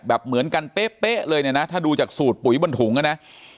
เหมือนกันเป๊ะเลยเนี่ยนะถ้าดูจากสูตรปุ๋ยบนถุงอ่ะนะ